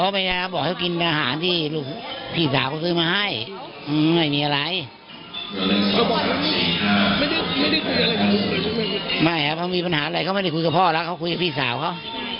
ไม่ครับเขามีปัญหาอะไรเขาไม่ได้คุยกับพ่อแล้วเขาคุยกับพี่สาวเขา